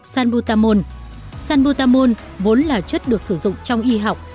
sanbutamol sanbutamol vốn là chất được sử dụng trong y học